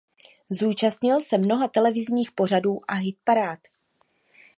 Zúčastnil se mnoha televizních pořadů a hitparád.